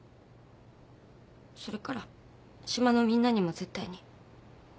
それから島のみんなにも絶対に。